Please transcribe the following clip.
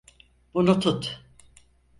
Bunu tut.